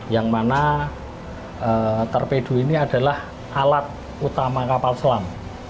yang mana torpedo ini adalah alat utama kapal selam